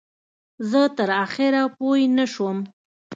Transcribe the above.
زه تر آخره پوی نه شوم.